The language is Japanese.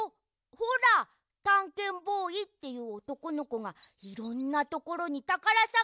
ほらたんけんボーイっていうおとこのこがいろんなところにたからさがしにいく。